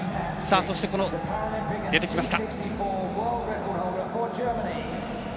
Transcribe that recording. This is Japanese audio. そして、出てきました。